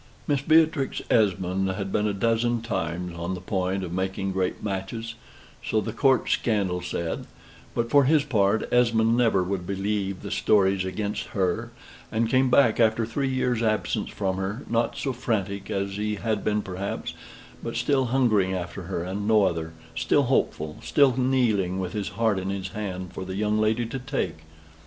Mistress Beatrix Esmond had been a dozen times on the point of making great matches, so the Court scandal said; but for his part Esmond never would believe the stories against her; and came back, after three years' absence from her, not so frantic as he had been perhaps, but still hungering after her and no other; still hopeful, still kneeling, with his heart in his hand for the young lady to take.